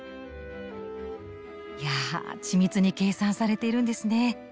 いやあ緻密に計算されているんですね。